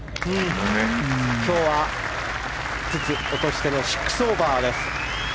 今日は５つ落としての６オーバーです。